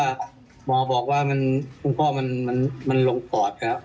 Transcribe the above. หมอบอกว่าคุณพ่อมันลงปอดครับ